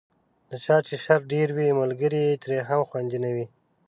د چا چې شر ډېر وي، ملګری یې ترې هم خوندي نه وي.